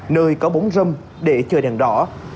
nơi có bóng dâm để chờ đèn đỏ